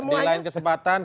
di lain kesempatan